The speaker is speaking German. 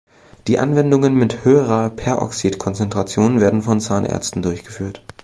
Die Anwendungen mit höherer Peroxid-Konzentration werden von Zahnärzten durchgeführt.